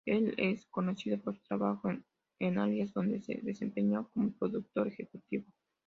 Él es conocido por su trabajo en Alias donde se desempeñó como productor ejecutivo.